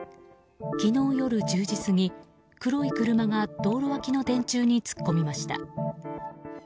昨日夜１０時過ぎ、黒い車が道路脇の電柱に突っ込みました。